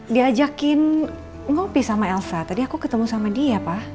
diajakin ngopi sama elsa tadi aku ketemu sama dia pak